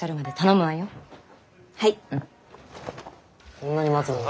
こんなに待つのか？